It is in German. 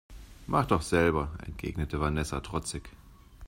Mach doch selber, entgegnete Vanessa trotzig.